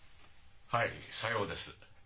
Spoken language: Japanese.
はいさようです。